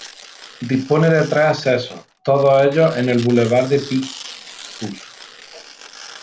Dispone de tres accesos, todos ellos en el bulevar de Picpus.